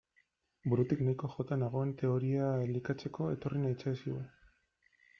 Burutik nahiko jota nagoen teoria elikatzeko etorri natzaizue.